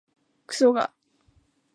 くそが